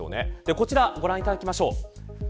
こちら、ご覧いただきましょう。